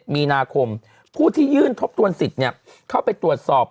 มีนาคมผู้ที่ยื่นทบทวนสิทธิ์เข้าไปตรวจสอบ